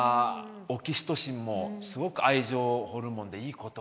オキシトシンもすごく愛情ホルモンでいいこと。